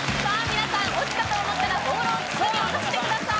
皆さんオチたと思ったらボールを筒に落としてください